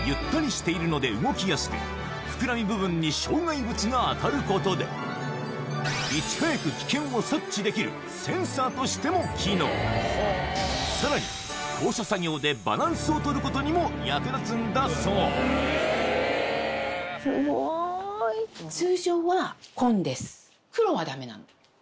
膨らみ部分に障害物が当たることでいち早く危険を察知できるセンサーとしても機能さらに高所作業でバランスを取ることにも役立つんだそうすごい！お。